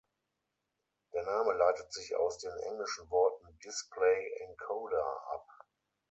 Der Name leitet sich aus den englischen Worten "Display Encoder" ab.